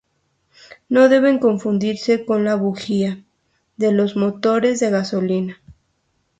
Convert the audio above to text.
No deben confundirse con la bujía de los motores de gasolina.